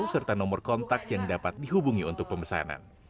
serta nomor kontak yang dapat dihubungi untuk pemesanan